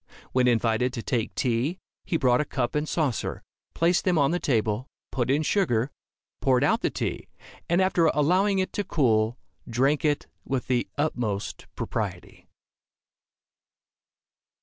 When invited to take tea, he brought a cup and saucer, placed them on the table, put in sugar, poured out the tea, and after allowing it to cool, drank it with the utmost propriety.